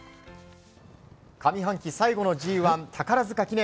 上半期最後のＧ１宝塚記念。